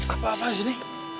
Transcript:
apa apaan sih ini